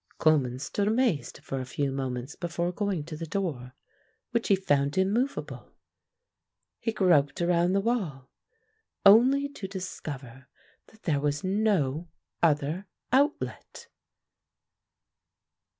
Coleman stood amazed for a few moments before going to the door, which he found immovable. He groped around the wall only to discover that there was no other outlet.